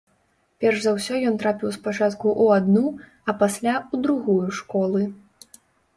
Перш за ўсё ён трапіў спачатку ў адну, а пасля ў другую школы.